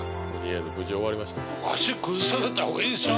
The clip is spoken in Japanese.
足崩されたほうがいいですよ